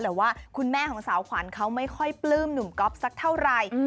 แต่ว่าคุณแม่ของสาวขวัญเขาไม่ค่อยปลื้มหนุ่มก๊อฟสักเท่าไหร่